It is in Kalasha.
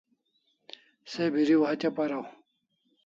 Se Biriu hatya paraw